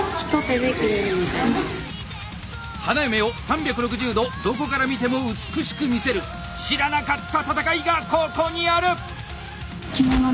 花嫁を３６０度どこから見ても美しく見せる知らなかった戦いがここにある！